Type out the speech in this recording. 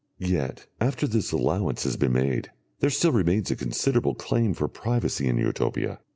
Yet, after this allowance has been made, there still remains a considerable claim for privacy in Utopia.